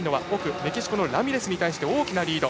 メキシコのラミレスに対しても大きなリード。